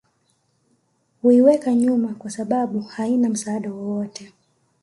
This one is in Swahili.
huiweka nyuma kwasababu haina msaada wowote